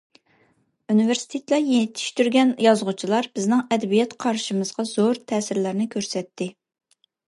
ئۇنىۋېرسىتېتلار يېتىشتۈرگەن يازغۇچىلار بىزنىڭ ئەدەبىيات قارىشىمىزغا زور تەسىرلەرنى كۆرسەتتى.